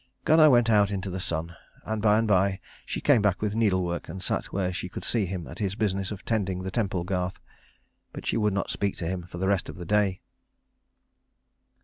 Gunnar went out into the sun; and by and by she came back with needlework and sat where she could see him at his business of tending the temple garth; but she would not speak to him for the rest of the day.